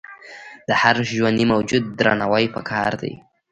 د هر ژوندي موجود درناوی پکار دی.